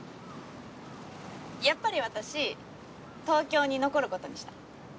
やっぱり私東京に残ることにした。